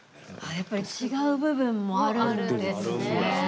やっぱり違う部分もあるんですね。